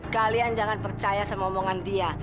kalian jangan percaya sama omongan dia